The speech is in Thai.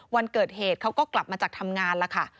วันเกิดเหตุเขาก็กลับมาจากทำงานแล้วค่ะ